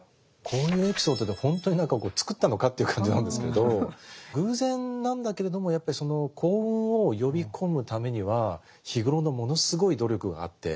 こういうエピソードって本当に何かこう作ったのかっていう感じなんですけど偶然なんだけれどもやっぱりその幸運を呼び込むためには日頃のものすごい努力があって。